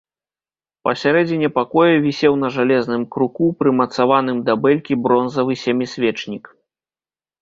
Пасярэдзіне пакоя вісеў на жалезным круку, прымацаваным да бэлькі, бронзавы сямісвечнік.